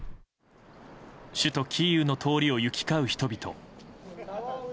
首都キーウの通りを行き交う人々。